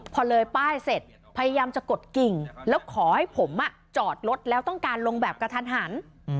พอเลยป้ายเสร็จพยายามจะกดกิ่งแล้วขอให้ผมจอดรถแล้วต้องการลงแบบกระทันหัน